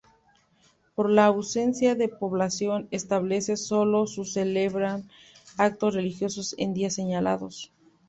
Por la ausencia de población estable sólo se celebran actos religiosos en días señalados.